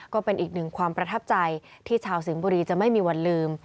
ก็เป็นอีกหนึ่งความประทับใจที่ชาวสิงห์บุรีจะไม่มีวันลืม